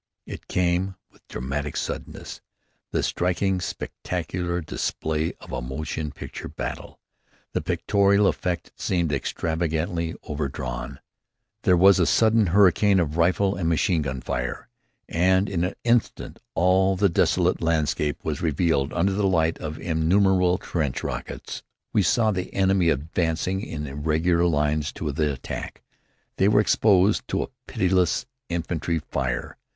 It came with the dramatic suddenness, the striking spectacular display, of a motion picture battle. The pictorial effect seemed extravagantly overdrawn. There was a sudden hurricane of rifle and machine gun fire, and in an instant all the desolate landscape was revealed under the light of innumerable trench rockets. We saw the enemy advancing in irregular lines to the attack. They were exposed to a pitiless infantry fire.